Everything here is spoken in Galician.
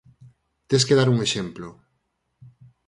Tes que dar un exemplo.